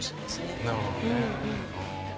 伊達：なるほどね。